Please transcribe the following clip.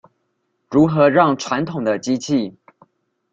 如何讓傳統的機器